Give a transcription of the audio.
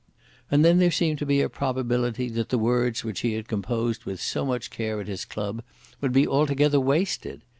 And then there seemed to be a probability that the words which he had composed with so much care at his club would be altogether wasted.